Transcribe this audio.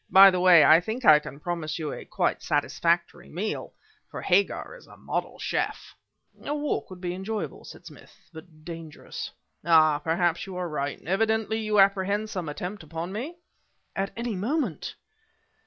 By the way, I think I can promise you quite a satisfactory meal, for Hagar is a model chef." "A walk would be enjoyable," said Smith, "but dangerous." "Ah! perhaps you are right. Evidently you apprehend some attempt upon me?" "At any moment!"